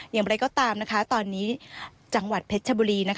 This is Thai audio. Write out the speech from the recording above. อย่างไรก็ตามตอนนี้จังหวัดเพชรชบุรี